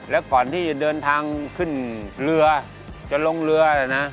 แล้วก่อนที่จะเดินทางขึ้นเรือจะลงเรือนะ